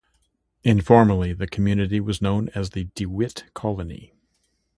Informally, the community was known as the DeWitt Colony.